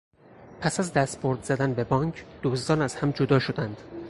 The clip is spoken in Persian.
پس از دستبرد زدن به بانک دزدان از هم جدا شدند.